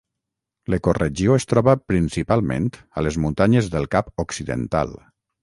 L’ecoregió es troba principalment a les muntanyes del Cap Occidental.